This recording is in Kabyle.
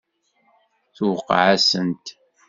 Tuqeε-asent.